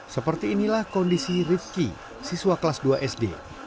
seperti inilah kondisi rifki siswa kelas dua sd